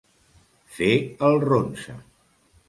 Fer el ronsa.